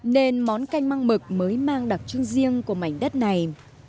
nên món canh măng mực mới mang đặc trưng riêng của mảnh đất này